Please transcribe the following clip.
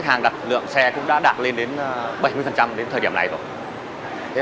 tương đương khoảng bảy mươi đến thời điểm này rồi